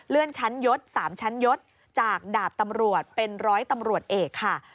ชั้นยศ๓ชั้นยศจากดาบตำรวจเป็นร้อยตำรวจเอกค่ะ